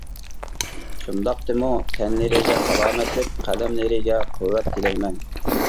شۇنداقتىمۇ تەنلىرىگە سالامەتلىك، قەلەملىرىگە قۇۋۋەت تىلەيمەن.